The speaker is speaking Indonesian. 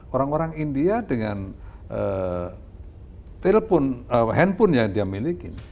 orang orang india dengan handphone yang dia miliki